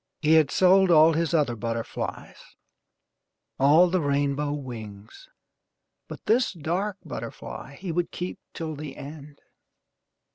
He had sold all his other butterflies all the rainbow wings but this dark butterfly he would keep till the end.